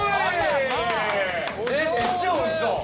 めっちゃおいしそう！